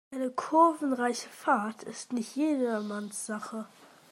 Die kurvenreiche Fahrt ist nicht jedermanns Sache.